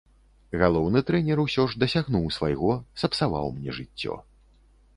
Галоўны трэнер усё ж дасягнуў свайго, сапсаваў мне жыццё.